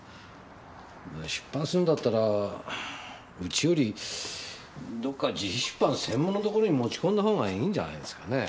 出版するんだったらうちよりどっか自費出版専門のところに持ち込んだ方がいいんじゃないですかねぇ。